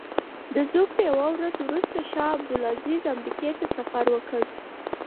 د زوکړې یوه ورځ وروسته شاه عبدالعزیز امریکې ته سفر وکړ.